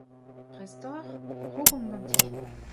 Prest oc'h ? Krogomp ganti.